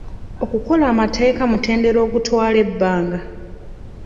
Okukola amateeka mutendera ogutwala ebbanga.